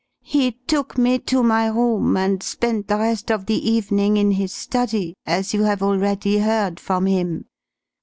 He took me to my room and spent the rest of the evening in his study, as you have already heard from him.